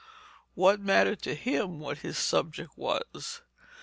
What mattered to him what his subject was?